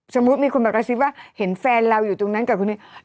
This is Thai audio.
สมมติมีคนมากระชิบเห็นแฟนเราอยู่ตรงนั้นกับทุนนี้